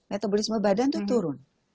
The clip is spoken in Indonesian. metabolisme badan itu turun